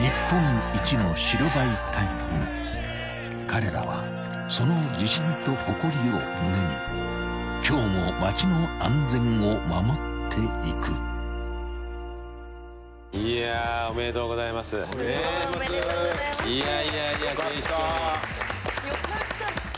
［彼らはその自信と誇りを胸に今日も街の安全を守っていく］おめでとうございます。よかった。